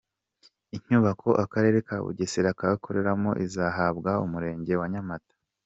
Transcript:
Inyubako akarere ka Bugesera kakoreragamo izahabwa umurenge wa Nyamata.